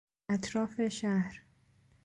اطراف شهر